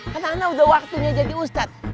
karena anak udah waktunya jadi ustadz